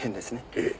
ええ。